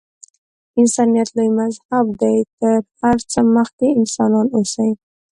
انسانیت لوی مذهب دی. تر هر څه مخکې انسانان اوسئ.